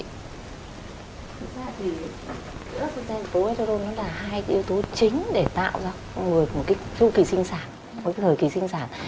thực ra thì estrogen phố estrogen là hai yếu tố chính để tạo ra một người kỳ sinh sản